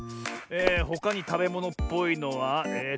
ほかにたべものっぽいのはえと。